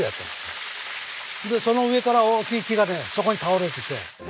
でその上から大きい木がねそこに倒れてて。